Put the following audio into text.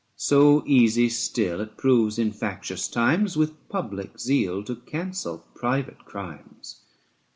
93 So easy still it proves in factious times 180 With public zeal to cancel private crimes.